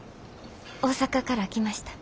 大阪から来ました。